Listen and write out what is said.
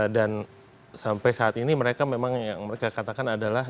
dan sampai saat ini mereka memang yang mereka katakan adalah